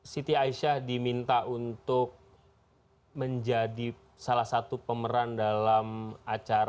siti aisyah diminta untuk menjadi salah satu pemeran dalam acara televisi reality show